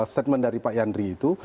statement dari pak yandri itu